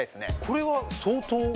これは相当。